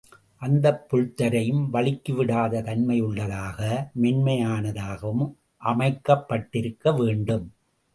அந்தப் புல் தரையும் வழுக்கி விடாத தன்மையுள்ளதாக, மென்மையானதாகவும் அமைக்கப்பட்டிருக்க வேண்டும்.